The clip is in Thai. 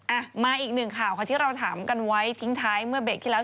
อ่ะมาอีกหนึ่งข่าวค่ะที่เราถามกันไว้ทิ้งท้ายเมื่อเบรกที่แล้ว